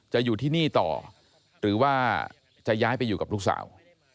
อยู่ที่นี่ต่อหรือว่าจะย้ายไปอยู่กับลูกสาว